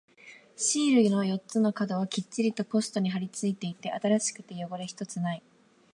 シールの四つの角はきっちりとポストに貼り付いていて、新しくて汚れ一つない。